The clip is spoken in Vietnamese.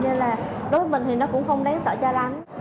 nên là đối với mình thì nó cũng không đáng sợ cho lắm